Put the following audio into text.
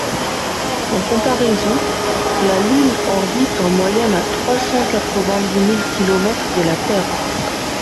En comparaison, la Lune orbite en moyenne à trois cents quatre-vingt-dix mille kilomètres de la Terre.